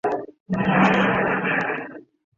全部成员都成为了小孩。